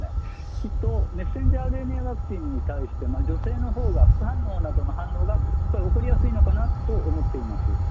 きっと、メッセンジャーＲＮＡワクチンに対して女性のほうが副反応などの反応が起こりやすいのかなと思っています。